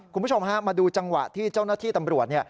คุณผู้ชมฮะมาดูจังหวะที่เจ้าหน้าที่ตำรวจ